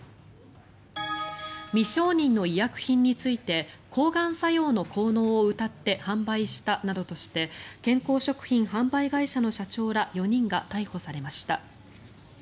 未承認の医薬品について抗がん作用の効能をうたって販売したなどとして健康食品販売会社の社長ら４人が逮捕されました。